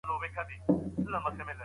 زما ملګری هیڅکله له خپلي ژمني نه اوړي.